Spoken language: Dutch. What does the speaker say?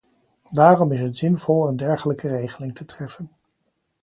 Daarom is het zinvol een dergelijke regeling te treffen.